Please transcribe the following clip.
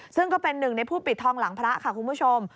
ซึ่งก็เป็นหนึ่งในผู้ปิดทองหลังพระค่ะคุณผู้ชม